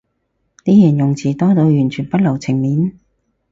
啲形容詞多到完全不留情面